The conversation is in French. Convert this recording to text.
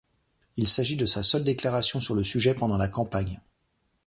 Il s'agit de sa seule déclaration sur le sujet pendant la campagne.